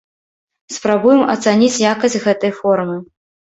Спрабуем ацаніць якасць гэтай формы.